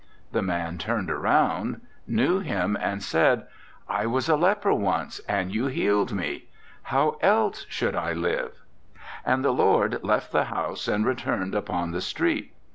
The man turned around, knew him, and said :' I was a leper once, and you healed me how else should I live?' 36 ANDRE GIDE "And the Lord left the house and re turned upon the street.